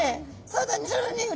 「そうだよ